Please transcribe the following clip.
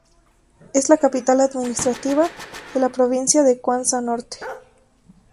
Es la capital administrativa de la provincia de Cuanza Norte.